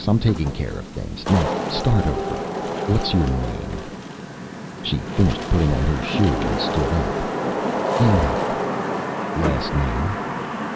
I'm taking care of things. Now start over, you. What's your name?" She finished putting on her shoe and stood up. "Amy." "Last name?"